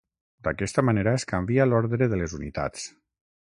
D'aquesta manera es canvia l'ordre de les unitats.